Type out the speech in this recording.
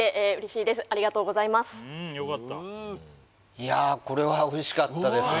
いやあこれはおいしかったですね